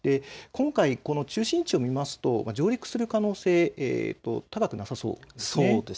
今回、中心地を見ると上陸する可能性、高くなさそうです。